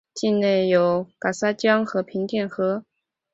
境内有戛洒江和平甸河。